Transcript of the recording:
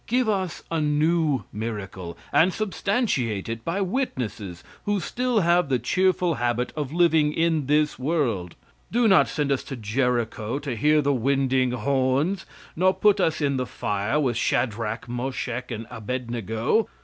Give us a new miracle, and substantiate it by witnesses who still have the cheerful habit of living in this world. Do not send us to Jericho to hear the winding horns, nor put us in the fire with Shadrach, Moshech, and Abednego.